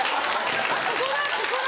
ここだここだ。